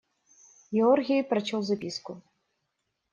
Георгий прочел записку.